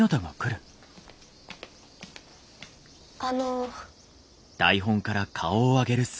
あの。